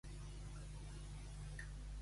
Qui té rates que compri moixos.